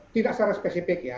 tidak secara spesifik ya